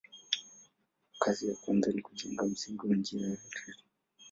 Kazi ya kwanza ni kujenga msingi wa njia ya reli.